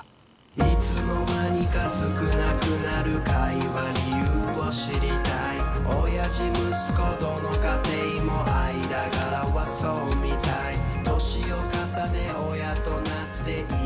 「いつの間にか少なくなる会話理由を知りたい」「親父息子どの家庭も間柄はそうみたい」「年を重ね親となっていい姿を残したい」